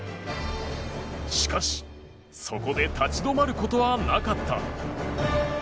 しかし、そこで立ち止まることはなかった。